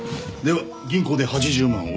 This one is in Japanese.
では銀行で８０万